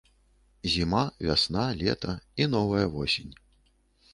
Зіма, вясна, лета і новая восень.